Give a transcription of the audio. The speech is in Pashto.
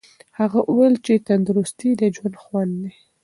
هغه وویل چې تندرستي د ژوند خوند دی.